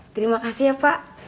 terima kasih ya pak